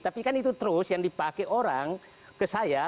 tapi kan itu terus yang dipakai orang ke saya